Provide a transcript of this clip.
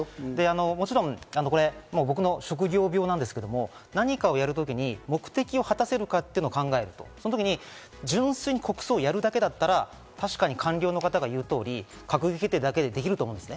もちろん僕の職業病ですけど、何かをやるときに目的を果たせるかというのを考えると、純粋に国葬やるだけだったら確かに官僚の方が言う通り閣議決定だけでできると思うんです。